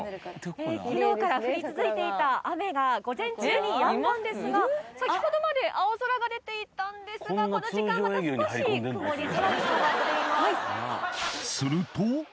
昨日から降り続いていた雨が午前中にやんだんですが先ほどまで青空が出ていたんですがこの時間また少し曇り空に変わっています